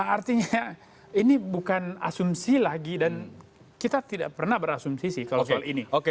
artinya ini bukan asumsi lagi dan kita tidak pernah berasumsi sih kalau soal ini